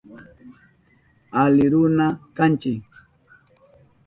Ali runakuna kanchi.